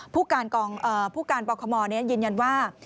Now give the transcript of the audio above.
ผู้การปลอกฮมอล์นี้ยืนยันว่า